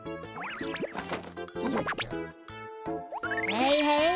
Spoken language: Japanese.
はいはい。